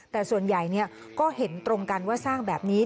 แต่ส่วนใหญ่ก็เห็นตรงกันว่าสร้างแบบนี้